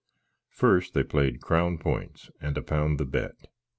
Fust, they playd crown pints, and a pound the bett.